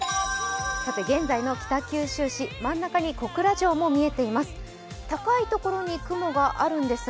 さて現在の北九州市、真ん中に小倉城も見えています。